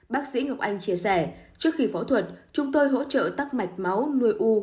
bác sĩ ngọc anh chia sẻ trước khi phẫu thuật chúng tôi hỗ trợ tắc mạch máu nuôi u